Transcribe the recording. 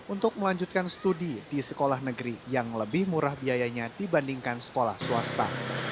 untuk melanjutkan studi di sekolah negeri yang lebih murah biayanya dibandingkan sekolah swasta